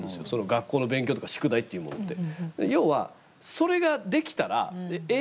学校の勉強とか宿題っていうものって。